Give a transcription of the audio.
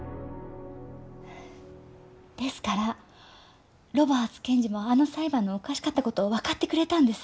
ですからロバーツ検事もあの裁判のおかしかったことを分かってくれたんです。